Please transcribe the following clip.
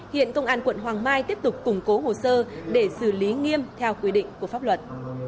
hiện công an quận hoàng mai tiếp tục củng cố hồ sơ để xử lý nghiêm theo quy định của pháp luật